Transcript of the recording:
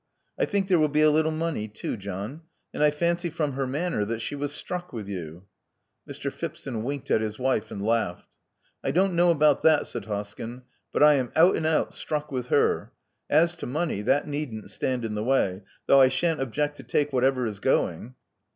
I think there will be a little money too, John. And I fancy from her manner that she was struck with you." Mr. Phipson winked at his wife, and laughed. *'I don't know about that," said Hoskyn; but I am out and out struck with her. As to money, that needn't stand in the way, though I shan't object to take whatever is going."